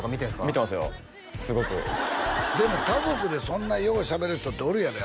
見てますよすごく家族でそんなようしゃべる人っておるやろ？